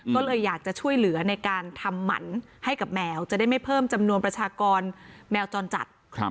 ก็เลยอยากจะช่วยเหลือในการทำหมันให้กับแมวจะได้ไม่เพิ่มจำนวนประชากรแมวจรจัด